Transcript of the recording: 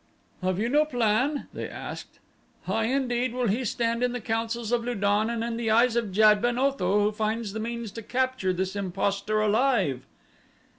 "Have you no plan?" they asked. "High indeed will he stand in the counsels of Lu don and in the eyes of Jad ben Otho who finds the means to capture this impostor alive."